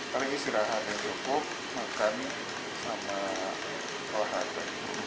paling istirahat yang cukup makan sama olahraga